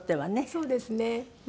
そうですね。